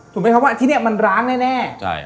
ถูกมั้ยครับวะที่นี่มันร้านแน่